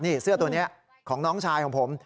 นี่เสื้อตัวนี้ของน้องชายของผม